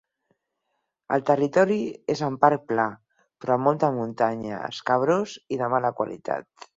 El territori és en part pla, però amb molta muntanya, escabrós i de mala qualitat.